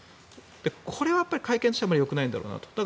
これは会見としてはよくないんだろうなと。